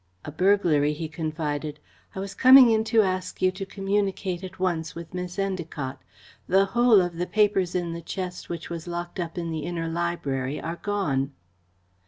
"A burglary," he confided. "I was coming in to ask you to communicate at once with Miss Endacott. The whole of the papers in the chest which was locked up in the inner library are gone."